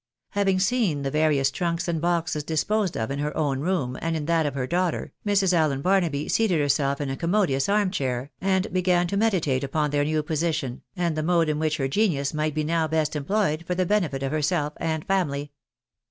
Having seen the various trunks and boxes disposed of in her own room, and in that of her daughter, Mrs. Allen Barnaby seated herself in a commodious arm chair, and began to meditate upon their new position, and the mode in which her genius might be now best employed for the benefit of herself and family.